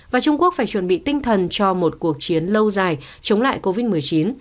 và trung quốc phải chuẩn bị tinh thần cho một cuộc chiến lâu dài chống lại covid một mươi chín